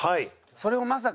それをまさかね